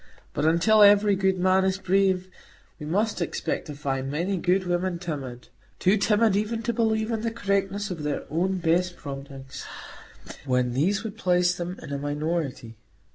But until every good man is brave, we must expect to find many good women timid,—too timid even to believe in the correctness of their own best promptings, when these would place them in a minority.